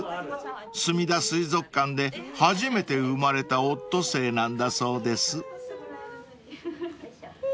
［すみだ水族館で初めて生まれたオットセイなんだそうです］